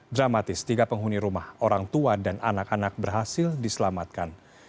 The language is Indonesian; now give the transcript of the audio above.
dramatis tiga penghuni rumah orang tua dan anak anak berhasil diselamatkan